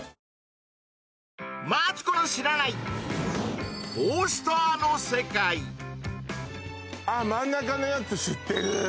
「ビオレ」あっ、真ん中のやつ知ってる。